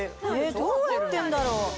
どうやってんだろう？